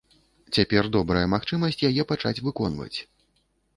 Цяпер добрая магчымасць яе пачаць выконваць.